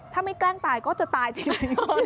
ถ้าไม่แกล้งตายก็จะตายจริง